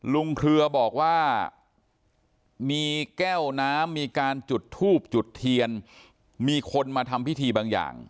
เครือบอกว่ามีแก้วน้ำมีการจุดทูบจุดเทียนมีคนมาทำพิธีบางอย่าง